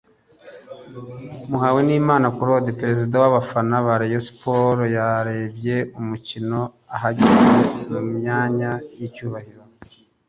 Muhawenimana Claude perezida w'abafana ba Rayon Sports yarebye umukino ahagaze mu myanya y'icyubahiro